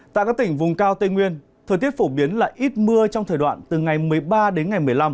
tại các tỉnh vùng cao tây nguyên thời tiết phổ biến là ít mưa trong thời đoạn từ ngày một mươi ba đến ngày một mươi năm